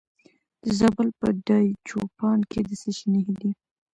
د زابل په دایچوپان کې د څه شي نښې دي؟